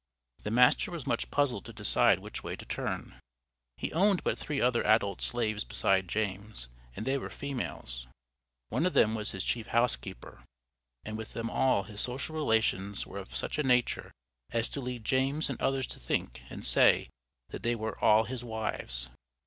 The master was much puzzled to decide which way to turn. He owned but three other adult slaves besides James, and they were females. One of them was his chief housekeeper, and with them all his social relations were of such a nature as to lead James and others to think and say that they "were all his wives."